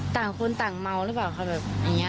ต่างคนต่างเมาหรือเปล่าค่ะแบบอย่างนี้